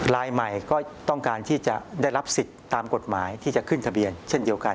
ลายใหม่ก็ต้องการที่จะได้รับสิทธิ์ตามกฎหมายที่จะขึ้นทะเบียนเช่นเดียวกัน